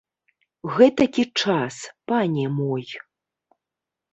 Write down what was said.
Гэтакі час, пане мой.